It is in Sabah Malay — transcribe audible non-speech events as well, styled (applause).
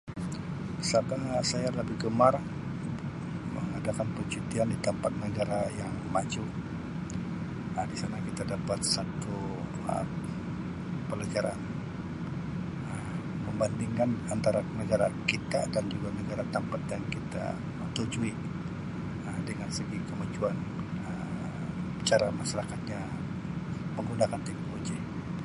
(unintelligible) Saya lebih gemar mengadakan percutian di tampat negara yang maju Um di sana kita dapat satu Um pelajaran Um membandingkan antara negara kita juga negara tampat yang kita tujui Um dengan segi kemajuan Um cara masyarakatnya menggunakan teknologi.